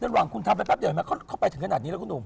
เดี๋ยวหวังคุณทำแป๊บเดี๋ยวเข้าไปถึงขนาดนี้แล้วคุณหนุ่ม